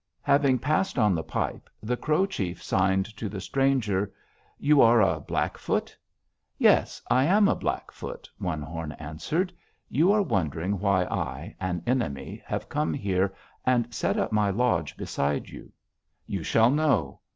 "Having passed on the pipe, the Crow chief signed to the stranger: 'You are a Blackfoot?' "'Yes, I am a Blackfoot,' One Horn answered. 'You are wondering why I, an enemy, have come here and set up my lodge beside you. You shall know!